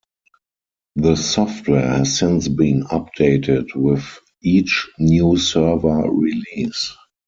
The software has since been updated with each new server release.